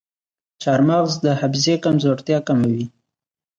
چارمغز د حافظې کمزورتیا کموي.